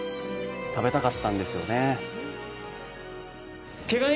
食べたかったんですよねー。